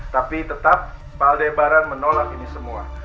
tapi tetap pak aldebaran menolak ini semua